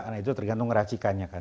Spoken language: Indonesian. karena itu tergantung racikannya kan